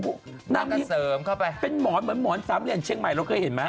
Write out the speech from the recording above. หนางงามนี้เป็นหมอนเหมือนหมอนสามเรียกว่าเช่งไหวเราเคยเห็นไหม